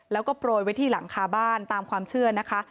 แล้วก็โปรยไว้ที่หลังคาบ้านตามความเชื่อนะคะ